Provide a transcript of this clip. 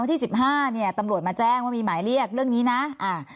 วันที่๑๕ตำรวจมาแจ้งว่ามีหมายเรียกเรื่องนี้นะ